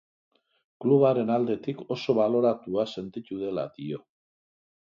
Klubaren aldetik oso baloratua sentitu dela dio.